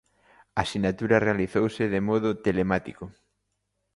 A sinatura realizouse de modo telemático.